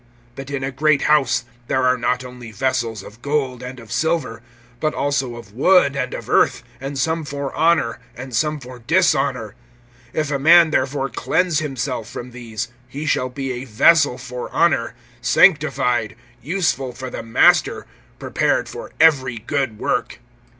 (20)But in a great house there are not only vessels of gold and of silver, but also of wood and of earth; and some for honor and some for dishonor. (21)If a man therefore cleanse himself from these, he shall be a vessel for honor, sanctified, useful for the master, prepared for every good work.